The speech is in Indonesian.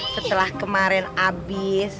setelah kemarin abis